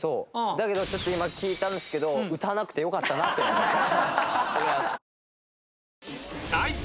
だけどちょっと今聴いたんですけど歌わなくてよかったなって思いました。